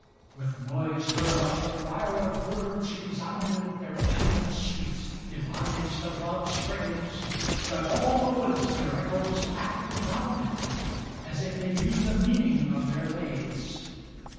With noise whereof the choir of birds resounded Their anthems sweet devised of love's praise, That all the woods their echoes back rebounded, As if they knew the meaning of their lays.